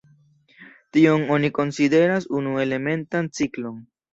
Tion oni konsideras unu-elementan ciklon.